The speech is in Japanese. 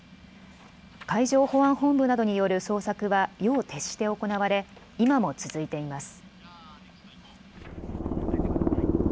海上保安本部などによる捜索は夜を徹して行われ今も続いています。